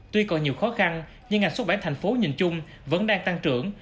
tuy còn nhiều khó khăn nhưng ngành xuất bản thành phố nhìn chung vẫn đang tăng trưởng